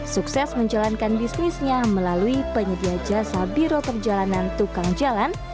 sukses menjalankan bisnisnya melalui penyedia jasa biro perjalanan tukang jalan